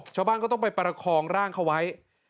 ชาวบ้านก็ต้องไปประคองร่างเขาไว้